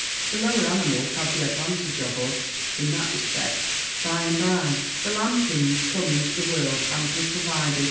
The lower animals have the advantage of us in that respect, by the by. The lambkins come into the world amply provided.